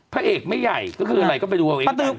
พระเอกไม่ใหญ่ก็คืออะไรก็ไปดูเอาเอง